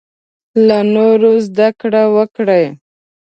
له نورو زده کړه وکړې.